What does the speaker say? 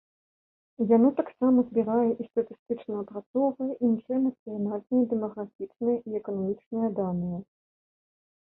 Яно таксама збірае і статыстычна апрацоўвае іншыя нацыянальныя дэмаграфічныя і эканамічныя даныя.